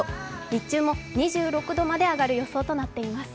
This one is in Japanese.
日中も２６度まで上がる予想となっています。